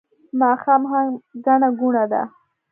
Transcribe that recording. ماښام هم ګڼه ګوڼه ده